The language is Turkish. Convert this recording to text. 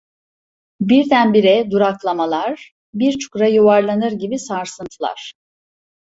Birdenbire duraklamalar, bir çukura yuvarlanır gibi sarsıntılar…